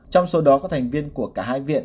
trong số đó có thành viên của cả hai viện